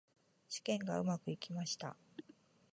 試験がうまくいきました。